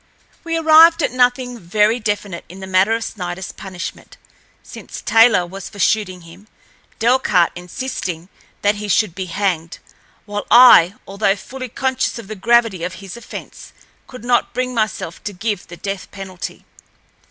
We arrived at nothing very definite in the matter of Sniderl's punishment, since Taylor was for shooting him, Delcarte insisting that he should be hanged, while I, although fully conscious of the gravity of his offense, could not bring myself to give the death penalty.